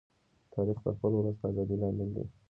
تاریخ د خپل ولس د ازادۍ لامل دی.